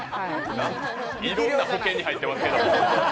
いろんな保険に入ってますけど。